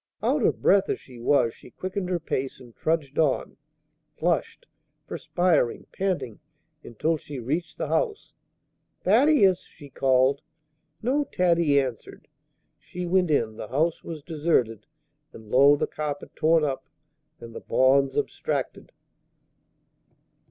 Out of breath as she was, she quickened her pace, and trudged on, flushed, perspiring, panting, until she reached the house. "Thaddeus!" she called. No Taddy answered. She went in. The house was deserted. And, lo! the carpet torn up, and the bonds abstracted!